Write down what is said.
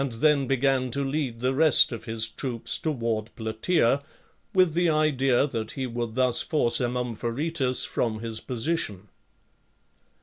then began to lead the rest of his troops toward. Plataea, with the idea that he would thus force Amompharetus from his position.